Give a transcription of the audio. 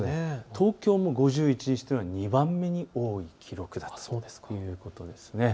東京も５１日というのは２番目に多い記録ということです。